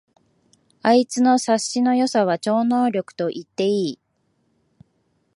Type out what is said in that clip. あいつの察しの良さは超能力と言っていい